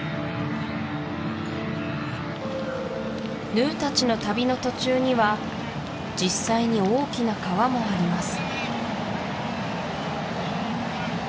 ヌーたちの旅の途中には実際に大きな川もあります